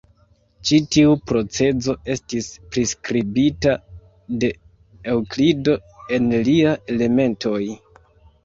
Ĉi tiu procezo estis priskribita de Eŭklido en lia "Elementoj".